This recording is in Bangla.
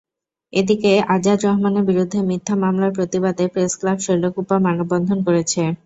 এদিকে আজাদ রহমানের বিরুদ্ধে মিথ্যা মামলার প্রতিবাদে প্রেসক্লাব শৈলকুপা মানববন্ধন করেছে।